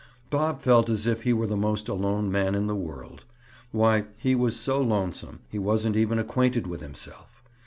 Bob felt as if he were the most alone man in the world! Why, he was so lonesome, he wasn't even acquainted with himself.